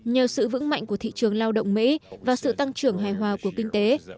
nhờ sự vững mạnh của thị trường lao động mỹ và sự tăng trưởng hài hòa của kinh tế